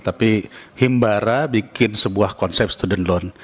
tapi himbara bikin sebuah konsep student loan